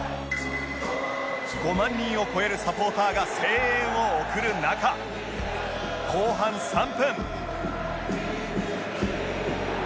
５万人を超えるサポーターが声援を送る中後半３分